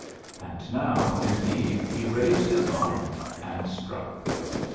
And noW; indeed^ he raised his arm, and struck.